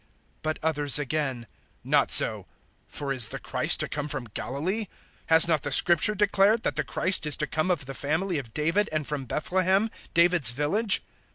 But others again, "Not so, for is the Christ to come from Galilee? 007:042 Has not the Scripture declared that the Christ is to come of the family of David and from Bethlehem, David's village?"